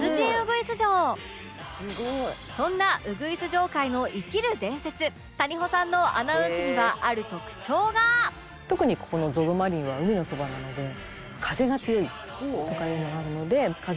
そんなウグイス嬢界の生きる伝説谷保さんの特にここの ＺＯＺＯ マリンは海のそばなので風が強いとかいうのがあるので。